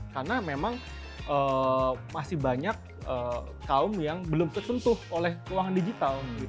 karena memang masih banyak kaum yang belum tertentu oleh keuangan digital